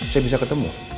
saya bisa ketemu